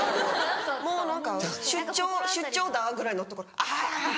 もう何か「出張だ」ぐらいのとこで「あ」。